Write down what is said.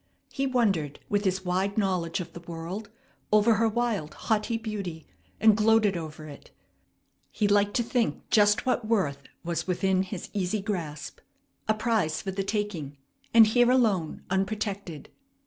He wondered, with his wide knowledge of the world, over her wild, haughty beauty, and gloated over it. He liked to think just what worth was within his easy grasp. A prize for the taking, and here alone, unprotected.